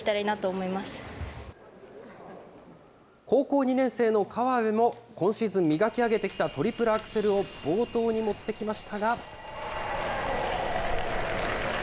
高校２年生の河辺も今シーズン磨き上げてきたトリプルアクセルを冒頭に持ってきましたが。